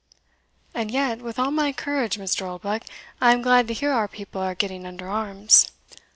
"And yet, with all my courage, Mr. Oldbuck, I am glad to hear our people are getting under arms."